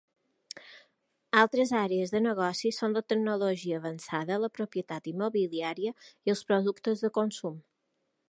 Altres àrees de negoci són la tecnologia avançada, la propietat immobiliària i els productes de consum.